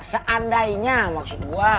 seandainya maksud gue